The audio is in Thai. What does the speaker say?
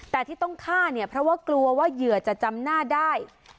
แต่ที่ต้องฆ่าเนี่ยเพราะว่ากลัวว่าเหยื่อจะจำหน้าได้